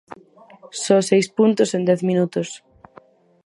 Só seis puntos en dez minutos.